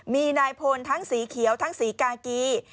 มีนายพลทั้งสีเขียวทั้งสีกากี